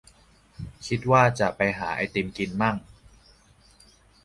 คิดว่าจะไปหาไอติมกินมั่ง